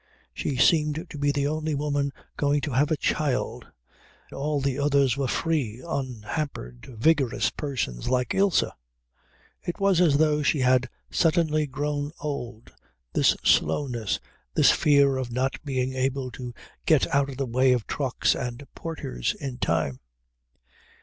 She seemed to be the only woman going to have a child; all the others were free, unhampered, vigorous persons like Ilse. It was as though she had suddenly grown old, this slowness, this fear of not being able to get out of the way of trucks and porters in time.